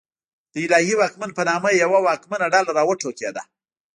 د الهي واکمن په نامه یوه واکمنه ډله راوټوکېده.